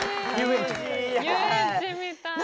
遊園地みたいな。